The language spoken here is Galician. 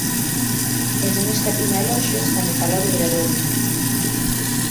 E non escatima eloxios cando fala de Obradoiro.